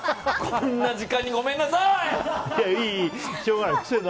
こんな時間にごめんなさい！